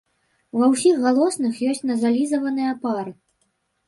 Ва ўсіх галосных ёсць назалізаваныя пары.